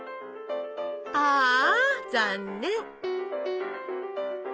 ああ残念。